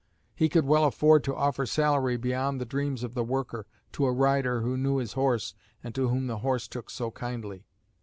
He could well afford to offer salary beyond the dreams of the worker, to a rider who knew his horse and to whom the horse took so kindly.